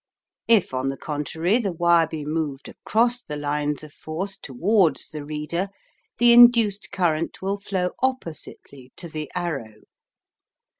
If, on the contrary, the wire be moved across the lines of force towards the reader, the induced current will flow oppositely to the arrow.